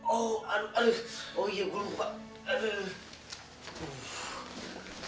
oh aduh aduh oh iya gua lupa aduh